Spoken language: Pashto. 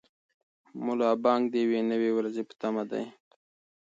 ملا بانګ د یوې نوې ورځې په تمه دی.